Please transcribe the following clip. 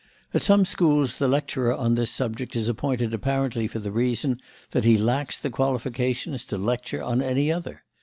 At some schools the lecturer on this subject is appointed apparently for the reason that he lacks the qualifications to lecture on any other.